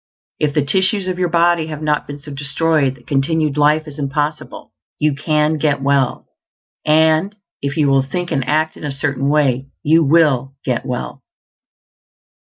If the tissues of your body have not been so destroyed that continued life is impossible, you can get well; and if you will think and act in a Certain Way, you will get well.